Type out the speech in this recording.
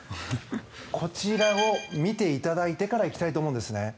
こちらを見ていただいてから行きたいと思うんですね。